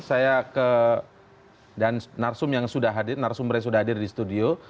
saya ke dan narsum yang sudah hadir narsumber yang sudah hadir di studio